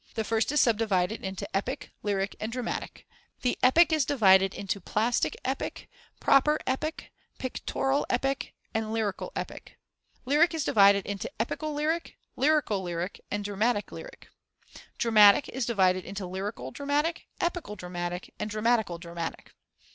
The first is subdivided into Epic, Lyric, and Dramatic; the Epic is divided into plastic epic, proper epic, pictorial epic, and lyrical epic; Lyric is divided into epical lyric, lyrical lyric, and dramatic lyric; Dramatic is divided into lyrical dramatic, epical dramatic, and dramatical dramatic.